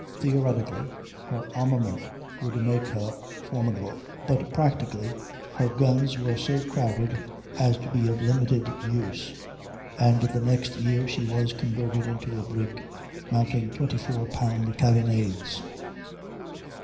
Theoretically her armament would make her formidable; but practically her guns were so crowded as to be of little use, and the next year she was converted into a brig, mounting 24 pound carronades.